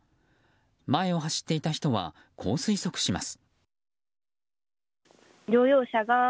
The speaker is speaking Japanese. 前を走っていた人はこう推測します。